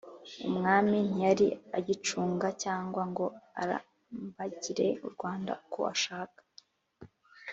Umwami ntiyari agicunga cyangwa ngo arambagire u Rwanda uko ashaka